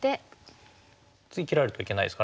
次切られるといけないですからね